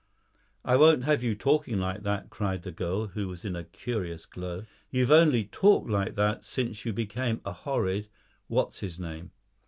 "I won't have you talking like that," cried the girl, who was in a curious glow. "You've only talked like that since you became a horrid what's his name.